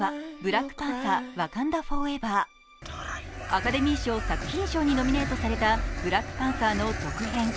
アカデミー賞作品賞にノミネートされた「ブラックパンサー」の続編。